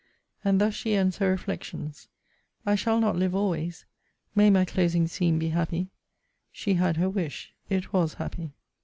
And thus she ends her reflections 'I shall not live always may my closing scene be happy!' She had her wish. It was happy.